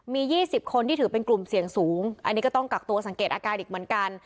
มี๒๐คนที่ถือเป็นกลุ่มเสี่ยงสูงอันนี้ก็ต้องกักตัวสังเกตอาการอีกเหมือนกัน